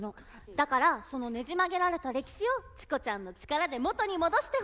だからそのねじ曲げられた歴史をチコちゃんの力で元に戻してほしいっていう。